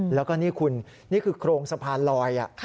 แล้วก็นี่คุณนี่คือโครงสะพานลอย